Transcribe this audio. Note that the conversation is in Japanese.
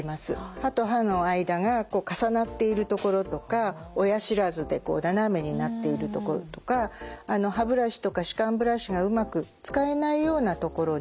歯と歯の間が重なっている所とか親知らずで斜めになっている所とか歯ブラシとか歯間ブラシがうまく使えないような所に。